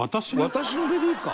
「私のベビーカー」？